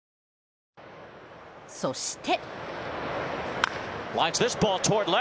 そして。